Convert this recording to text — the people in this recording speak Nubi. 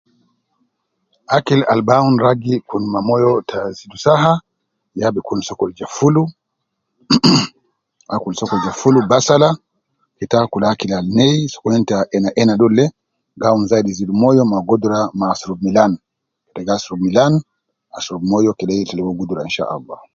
Akil al bi awunu ragi Kun ma moyo ta saha ya bi Kun sokol ja fulu, inin akul sokol ja fulu ma basala keta akul akil Al nei sokolin al ena ena dolde gi awunu zaidi fi moyo ma gudura ma asurub Milan asurubu moyo ta zidu gudura inshallah.